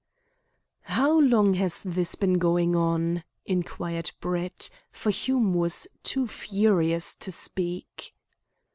"How long has this been going on?" inquired Brett, for Hume was too furious to speak.